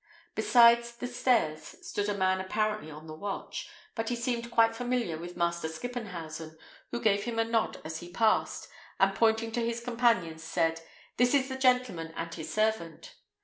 Beside the stairs stood a man apparently on the watch, but he seemed quite familiar with Master Skippenhausen, who gave him a nod as he passed, and pointing to his companions said, "This is the gentleman and his servant."